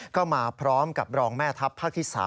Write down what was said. ก็มาพร้อมกับรองแม่ทัพภาคที่๓